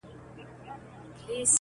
پرېږدی په اور يې اوربل مه ورانوی-